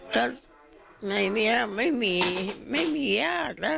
แล้วในนี้ไม่มีไม่มีญาติแล้ว